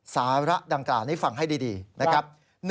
สาระดังกล่าวนี้ฟังให้ดีนะครับ